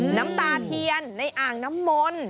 น้ำตาเทียนในอ่างน้ำมนต์